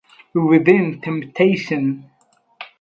Within Temptation